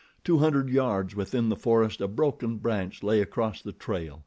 Two hundred yards within the forest a broken branch lay across the trail.